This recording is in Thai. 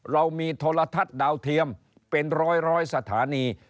เรามีโทรทัศน์ดาวเทียมเป็นร้อยสถานี